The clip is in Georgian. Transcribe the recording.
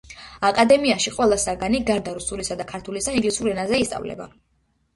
აკადემიაში ყველა საგანი, გარდა რუსულისა და ქართულისა, ინგლისურ ენაზე ისწავლება.